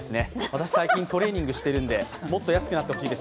私、最近、トレーニングしてるんで、もっと安くなってほしいです。